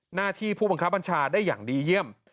หน้าที่ผู้บังคับบัญชาได้อย่างดีเยี่ยม